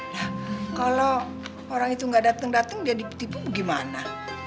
nah kalo orang itu gak dateng dateng dia dipipu gimana